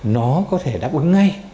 nó có thể đáp ứng ngay